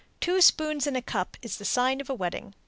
Two spoons in a cup is the sign of a wedding.